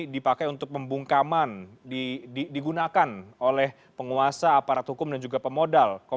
dipakai untuk pembungkaman digunakan oleh penguasa aparat hukum dan juga pemodal